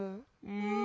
うん。